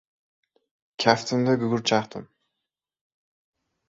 Kaftimda gugurt chaqdim.